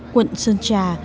quận sơn trà